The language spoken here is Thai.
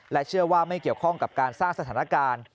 เชื่อว่าไม่เกี่ยวข้องกับการสร้างสถานการณ์